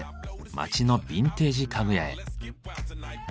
街のビンテージ家具屋へ。